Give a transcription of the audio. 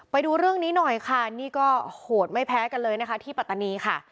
ไปดูเรื่องนี้หน่อยค่ะนี่ก็โหดไม่แพ้กันเลยนะคะที่ปัตตานีค่ะ